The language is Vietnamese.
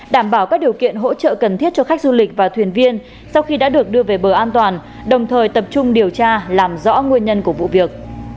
đảm bảo các điều kiện hỗ trợ cần thiết cho khách du lịch và thuyền viên sau khi đã được đưa về bờ an toàn đồng thời tập trung điều tra làm rõ nguyên nhân của vụ việc